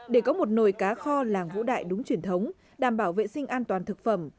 để có một nồi cá kho làng vũ đại đúng truyền thống đảm bảo vệ sinh an toàn thực phẩm